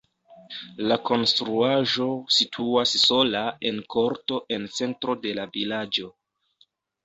La konstruaĵo situas sola en korto en centro de la vilaĝo.